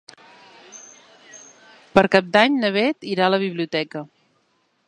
Per Cap d'Any na Beth irà a la biblioteca.